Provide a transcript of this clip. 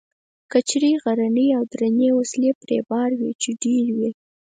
کچرې غرنۍ او درنې وسلې پرې بار وې، چې ډېرې وې.